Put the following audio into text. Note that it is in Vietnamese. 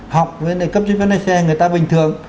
học với cấp dưới phép lái xe người ta bình thường